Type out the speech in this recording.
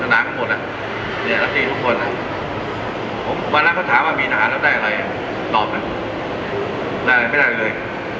ทุกนางทั้งหมดอ่ะเดี๋ยวละทีทุกคนผมวันนั้นก็ถามว่ามีอาหารแล้วได้อะไรตอบนะได้อะไรไม่ได้เลย